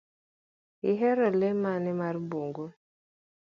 Ihero le mane mar bungu?